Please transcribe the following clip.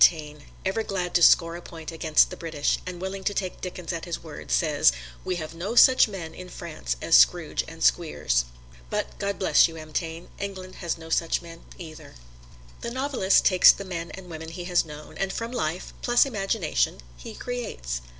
Taine, ever glad to score a point against the British, and willing to take Dickens at his word, says, "We have no such men in France as Scrooge and Squeers!" But, God bless you, M. Taine, England has no such men either. The novelist takes the men and women he has known, and from life, plus imagination, he creates.